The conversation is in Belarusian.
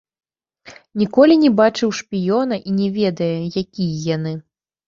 Ніколі не бачыў шпіёна і не ведае, якія яны.